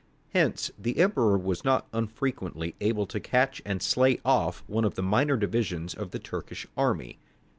Hence the Emperor was not unfrequently able to catch and slay off one of the minor divisions of the Turkish army.